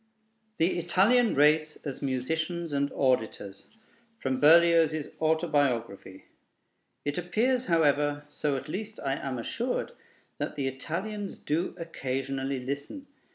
THE ITALIAN RACE AS MUSICIANS AND AUDITORS From Berlioz's Autobiography It appears, however, so at least I am assured, that the Italians do occasionally listen.